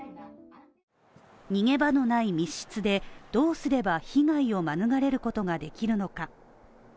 逃げ場のない密室で、どうすれば被害を免れることができるのか。